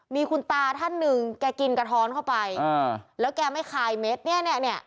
มีคุณตาท่านหนึ่งแกกินกระท้อนเข้าไปอ่าแล้วแกไม่คายเม็ดเนี่ยเนี่ย